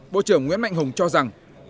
bộ trưởng nguyễn mạnh hùng cho rằng